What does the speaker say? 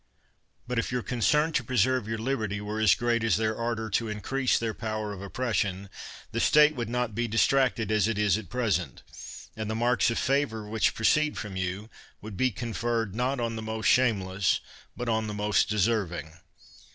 But if your concern to preserve your liberty were as great as their ardor to increase their X)ower of oppression, the state would not be di 39 THE WORLD'S FAMOUS ORATIONS tracted as it is at present; and the marks of favor which proceed from you, would be con ferred, not on the most shameless, but on the most deserving.